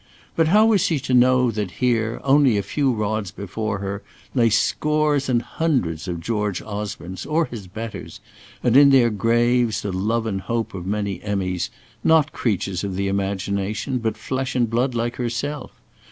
But how was she to know that here, only a few rods before her, lay scores and hundreds of George Osbornes, or his betters, and in their graves the love and hope of many Emmys, not creatures of the imagination, but flesh and blood, like herself?